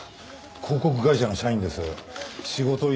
広告会社の社員です。